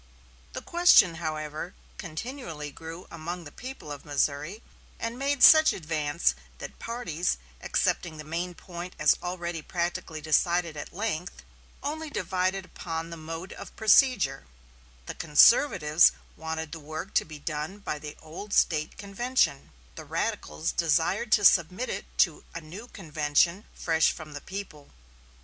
The question, however, continually grew among the people of Missouri, and made such advance that parties, accepting the main point as already practically decided at length only divided upon the mode of procedure The conservatives wanted the work to be done by the old State convention, the radicals desired to submit it to a new convention fresh from the people.